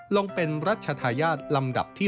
ลงเป็นรัชธาญาติลำดับที่